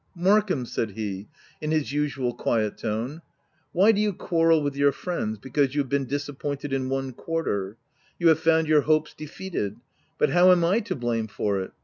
(C Markham," said he, in his usual quiet tone, w why do you quarrel with your friends, because you have been disappointed in one quarter? 238 THE TENANT You have found your hopes defeated ; but how am / to blame for it